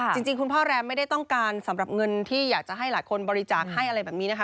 จริงคุณพ่อแรมไม่ได้ต้องการสำหรับเงินที่อยากจะให้หลายคนบริจาคให้อะไรแบบนี้นะคะ